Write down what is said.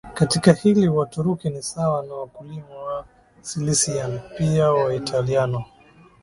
Katika hili Waturuki ni sawa na wakulima wa Sicilian pia Waitaliano